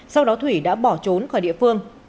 sau đó thủy đã bỏ trốn khỏi địa phương